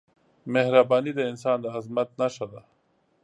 مهرباني د انسان د عظمت نښه ده.